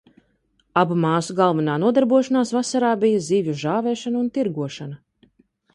Abu māsu galvenā nodarbošanās vasarā bija zivju žāvēšana un tirgošana.